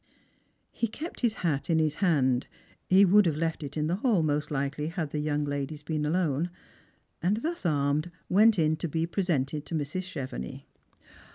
He kept his hat in his hand, — he •would ha.ve left it in the hall most likely, had the young ladies been alone, — and thus armed, v/ent in to be presented to Mrs. Chevenix.